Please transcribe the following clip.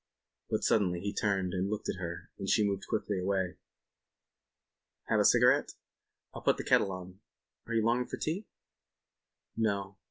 But suddenly he turned and looked at her and she moved quickly away. "Have a cigarette? I'll put the kettle on. Are you longing for tea?" "No.